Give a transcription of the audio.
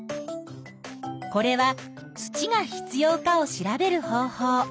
これは土が必要かを調べる方法。